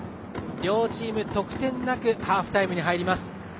両チーム得点なくハーフタイムに入ります。